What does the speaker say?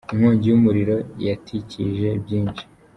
Inkongi y’umuriro yatikije byinshi